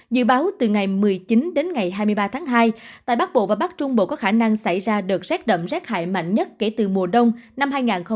dự báo từ ngày một mươi chín đến ngày hai mươi ba tháng hai tại bắc bộ và bắc trung bộ có khả năng xảy ra đợt rét đậm rét hại mạnh nhất kể từ mùa đông năm hai nghìn hai mươi một hai nghìn hai mươi hai